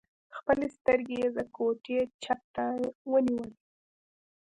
خپلې سترګې يې د کوټې چت ته ونيولې.